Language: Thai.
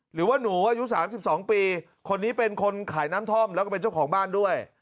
หรือว่าหนูอายุ๓๒ปีคนนี้เป็นคนขายน้ำท่อมแล้วก็เป็นเจ้าของบ้านด้วย